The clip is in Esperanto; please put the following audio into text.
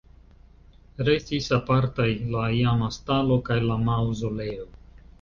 Restis apartaj la iama stalo kaj la maŭzoleo.